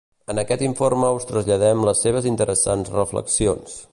En aquest informe us traslladem les seves interessants reflexions.